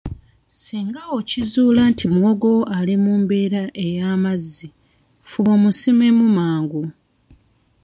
Singa okizuula nti muwogo wo ali mu mbeera ey'amazzi fuba omusimemu mangu.